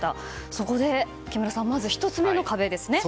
そこで木村さんまず１つ目の壁ですね。